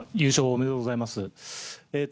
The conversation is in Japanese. おめでとうございます。